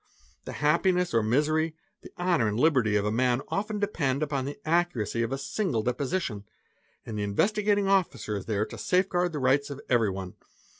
'The happiness or misery, the honour and liberty of a man often depend upon the accuracy of a single deposition and the Investi gating Officer is there to safe guard the rights of everyone.